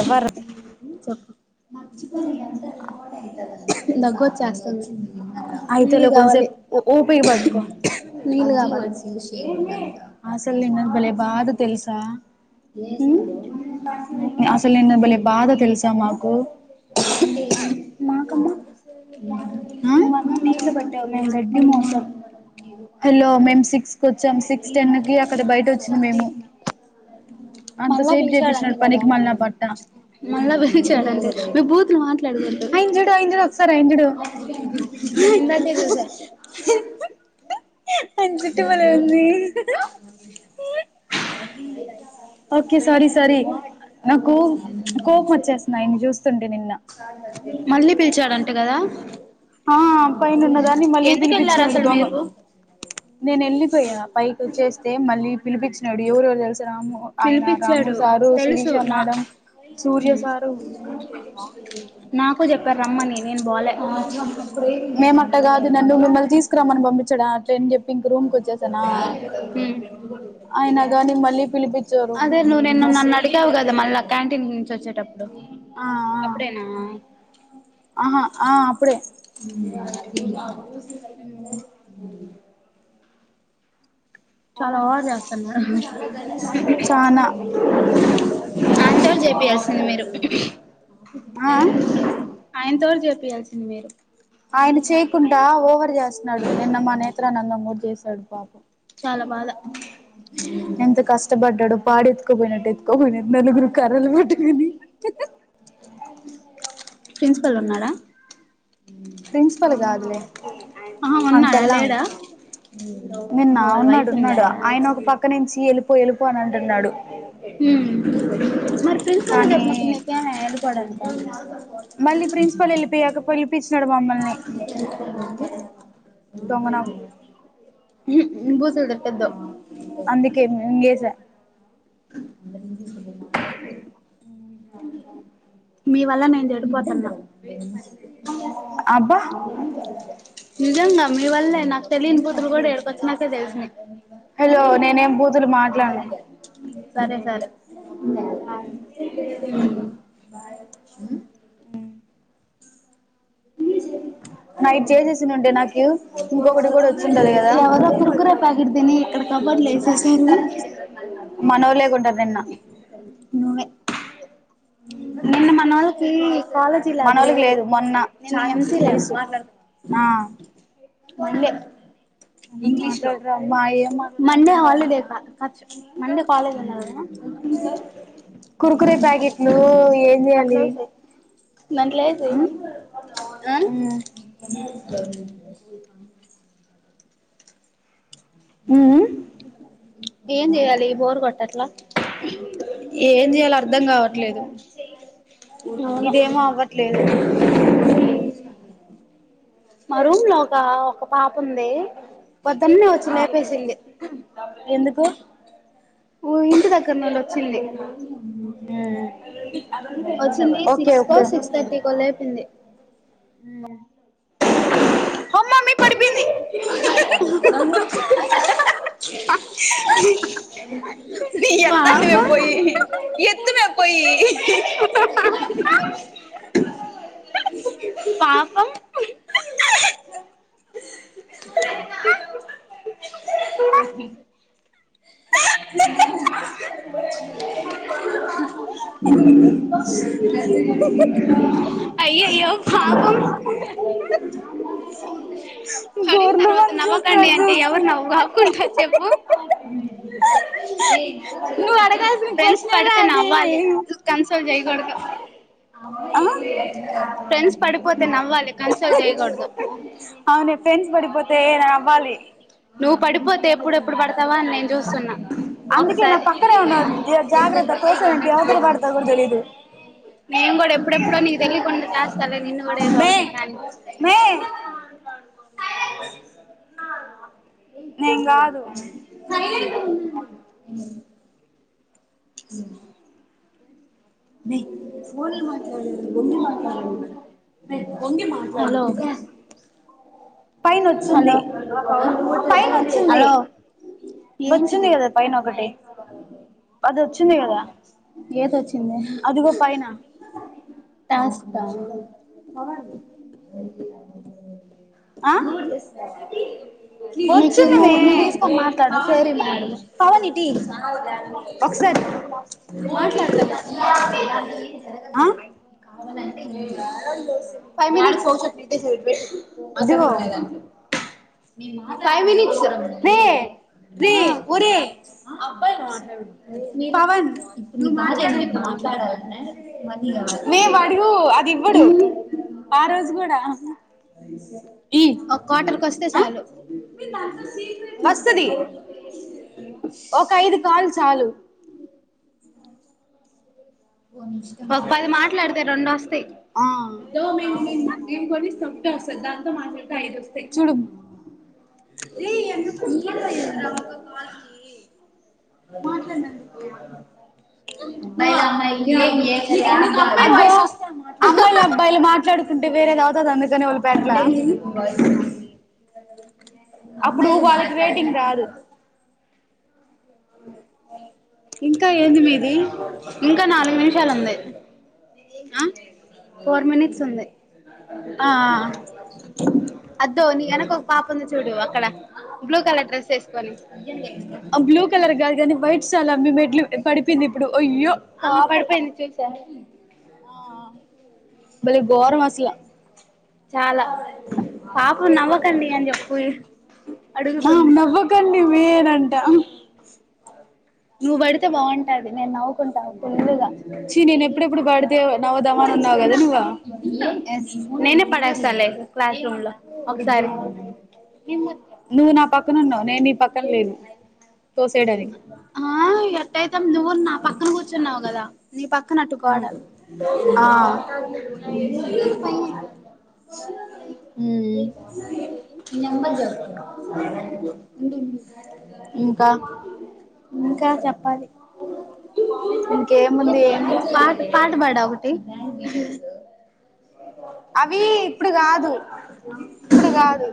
ఎవ్వరు మర్చిపోయిన ఇ అంతా రిార్ అవుతుంది దగ్గ వచ్చేస్తుంది నీళ్ళు కావాలి నీళు కావాల [unintelligible] బలే బాధ తెలుసా తెలుసా మాకు ఆ ఇ మోసం హలో మేము సిక్స్ క వచ్చాం సిక్స్ టెన్ కి అక్కడ బయట వచ్చింది మేము అంత సేపు చేపించినడు పనికి మళనా పట్ట [unintelligible] మే బూతుల మాట్లా అయింజుడు అయింజుడు ఒకసారి అయిజుడు ఆయన జట్టు బలే ఉంది ఓకే స్వారి సరి నాకు కోపమచ్ మళ్ళీ పిలిచాడంట కద ఆ పైన ఉన్నదాన్ని మళ్ళీ పిలిపించినాడు దొంగ నేను వెళ్ళిపోయాను పైకి వచ్చేస్తే మళ్ళీ పిలిపించ నాడు ఎవరో తెల్స్ రాము ఆయన Ramu sir Sirisha madam Surya sir అప్పు చెప్పారు రమ్మని నేను బోలే అదే నువ్వు నిన్న నన్ను అడిగావు కదా మళ్ళా క్యాంటీన్ నుంచి వచ్చే ఆ ఆ అ అ అప్పుడే చాలా ఒవర్ చేస్తున్నారు ఆయనతోోటి చేపియాల్సింది మీరు ఆయనతోోటి చె తియాల్సిందె మీరు ఆయన చేయకుండా ఓవర్ చేస్తున్నాడు నిన్న మా నేత్ర నందమూరి చేసి తడ్పాపు ఎంత కష్టపడ్డాడో పాడి ఎత్తుకోపోయినట్టు ఎత్తుకోపోయిన నలుగురు కర్రలు పట్టుకని స్తున్నాడ ప్రిన్సిపల్ కాద్ లే అమ్ పెళ్లాాం నిన్నా ఉన్నాడు ఉన్నాడు ఆయన ఒక పక్క నుంచి వెలుపు ఉమ్ మరి ప్రిన్సిపల్ చెప్పినప్పుడు నీకే మే వెల్లిపోవడానికి అవున మళ్ళీ ప్రిన్సిపల్ వెళ్ళిపోయాక పిలిపచ్చి నాడు మమ్మల్ని దొంగన హిమ్ ఇం.... అందుకే మింగేస [inaudible] మీ వల్ల నేన్ చెడిపోతున్నా నిజంగ మీ వల్లే నాకు తెలియని బూతులు కూడా ఈడకొచ్చినాకే తెలుసు మీకు సరె సరె ఆవు బాయ్ హ్మ్ నైట్ చేసేసింటే నాకు ఇంకొకటి కూడా వచ్చింటది కదా మనో లేకుంటారు నిన్న నిన్న మనోళకి మనోళ్లకి లేదు మొన్నచాన్ని తెలుసు ఆ ముందే మండే హాలిడే స హచ్ మండే కాలేజ్ ఉండదా సర్ నాకులేదే నాక్ లేదే ఆ [inaudible] ఏం చెయాలి బోర్ కొట్టట్లా ట్లేదు అవును మా రూమ్ లో ఒక ఒక పాపుంది పద్దన్నే వచ్చి లేపేసింది ఉ ఇంటి దగ్గర నుండి వచ్చింది వచ్చింది సిక్స్ కో సిక్స్ థర్టీకో లేపింది ఓ మమ్మీ పడిపోయింది నీ ఎత్తాంటిమే పొయ్యీ, ఎత్తుమే పొయ్యీ. [unintelligible] [unintelligible] అయ్యో పాపం [unintelligible] తర్వాత నవ్వకండి అంటే ఎవరు నవ్వు ఆపుకుంటారు చెప్పూ ఫ్రెండ్స్ పడితే నవ్వాలి కన్సోల్ చెయ్యగూడదు. ఫ్రెండ్స్ పడిపోతే నవ్వాలి కన్సోల్ చెయ్యగూడదు. నువ్వు పడిపోతే ఎప్పుడు ఎప్పుడు పడతావా అని నేన్ ఒకసారి నేను గూడా ఎప్పుడెప్పుడో నీకు తెలీకుండా చేస్తాలే నిన్ను గూడా ఏదో ఒకటి కానీ. నేన్ గాదు మనపో అ అ అమ్మీ ఫోన్లో మాట్లాడ [inaudible] వంగి మాట్లాడ [inaudible] వంగీ మాట్లాడ్ [inaudible] హలో హలో హలో వచ్చింది గదా పైన ఒకటి. అది వచ్చింది గదా. టాస్కా అ ఆ వచ్చిందీ మే. పావనీ ఇటీ ఒకసారి ఆ అదిగో ఫై మినిట్స ఆ నే ఇప్పు ఇప్పుడు బాధేంది [inaudible] మాట్లాడాలనా ప్చ్ మేం అడుగూ అది ఇవ్వడు. ఆ రోజు గూడా ఒక్ క్వాటర్ వస్తే చాలు వస్తదీ. ఒక ఐదు కాల్ చాలు ఒక పది మాట్లాడితే రెండు వస్తయి. దో [unintelligible] వస్తది దాంతో మాట్లాడితే ఐదు వస్తాయి రే ఎనభై రూపాయలు వస్తది రా ఒక కాల్ కీ అగ్గో అమ్మాయిలు అబ్బాయిలు మాట్లాడుకుంటే వేరేది అవుతాది అందుకనే వాలుపెట్లా. అప్పుడు వాళ్ళకి రేటింగ్ రాదు అ ఇంకా నాలుగు నిమిషాలు ఉంది ఆ ఫోర్ మినిట్స్ ఉంది అద్దో నీ కనక ఒక పాప ఉంది చూడు అక్కడ బ్లూ కలర్ డ్రెస్ వేసుకొని అయ్యో పాపం ఆ బలే గోరం అసలా ఆ నవ్వకండి వేరంట నువ్వు పడితే బాగుంటది నేను నవ ఫుల్గా నేనే పడేస్తాను లే క్లాషూ లో నువ్వు నా పక్కన ఉన్నావు నేను నీ పక్కన లేను అ ఆ ఎట్టైతేరు నా పక్కన కూర్చున్నావు కదా నీ పక్కనట్టుకోడ ఈ నెంబర్ జరు ఇంకా మ్మ్ ఇంకా చెప్పాలి ఇంకేముంది ఏం ల్యా అవి ఇప్పుడు కాదు ఇప్పుడు కాదు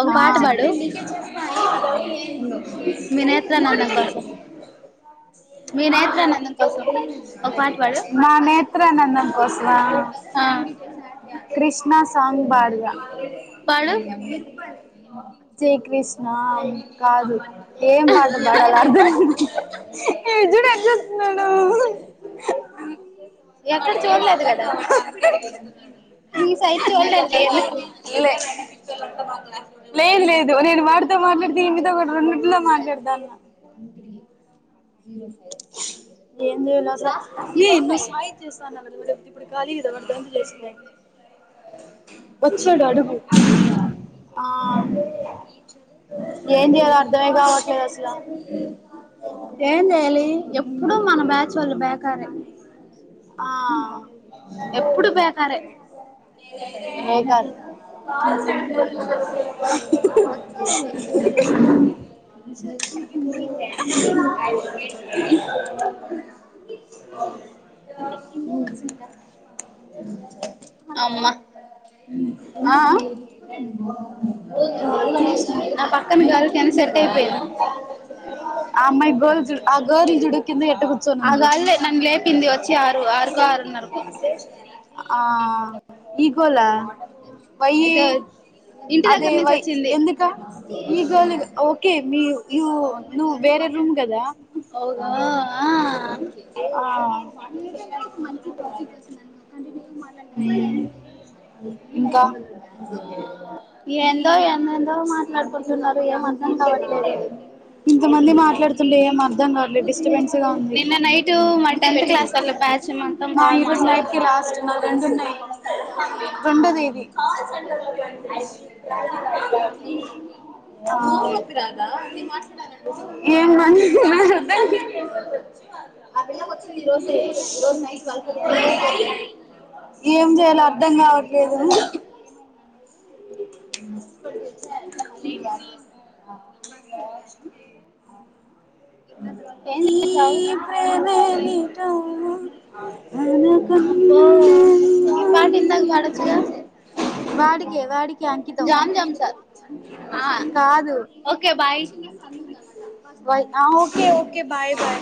ఒక పాట పాడు వినేత్రానందం కోసం మీ నేత్రనందం కోసం ఒక పాట పాడు ఆ పాడు జయ కృష్ణ కాదు ఏం పాట పాడాలి అర్ధం ఎక్కడ చూడలేదు కదా మీ సైట్ చూడలేదు లే ఎందుకు లేదు లేదు నేను వాడితో మాట్లాడితే ఈ ఇమ్మీ తో కూడా రెండింటిలో మాట్లాడతన ఏం చేయాల అసలు నే ఎన్నో సాయం చేస్తాన్నా కదారి ఇప్పుడు కాలీ కదా అర్ం చేసింది వచ్చాడు అడుగు ఆ ఏం చేయాల అర్ధమే కావట్లేదు అసల ఏం చేయ్యాలి ఎప్పుడు మన బ్యాచ్ వాళ్ళు బేకారే ఎప్పుడు బేకారే [inaudible] [inaudible] అమ్మ. నా పక్క న గర్ల్ కి సెట్ అయిపోయింది. ఆ గోల్ చూడు ఆ గర్ల్ చూడు కింద ఎట్ట కుచ్చోని ఉందో. ఆ ఇగోలా! వై అదే వై ఎందుక ఈ గళ్ ఓకే మీ. ఇగో నువ్ వేరే రూమ్ గదా? లేదంగా ఒక మంచి టాపిక్ వచ్చిననుకోకంటే నేను మన టైం మాం డ్యాన్స్ [unintelligible] ఎందో ఏం. ఎందేదో మాట్లాడుకుంటున్నారు. ఏం అర్థం కావట్లేదు. ఇంతమంది మాట్లాడుతుండే ఏం అర్ధం కాలేదు. డిస్టర్బెన్స్ గా ఉంది. మా ఈరోజు ఫ్లైట్ కి లాస్ట్ నా ఉండదు ఏది. ప్పరాదా ని [unintelligible] ఏం మంది, ఏం చేయాలో అర్థం కావట్లేదు? [inaudible] ఈ ప్రేమే నీ [unintelligible] వాడికే వాడికే అంకితం. కాదు ఓకే ఓ ఓకే బాయ్ బాయ్.